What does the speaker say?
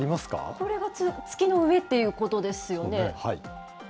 これが月の上ということですよね。